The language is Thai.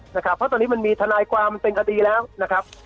เพราะตอนนี้มันมีทนายความเป็นคดีแล้วนะครับ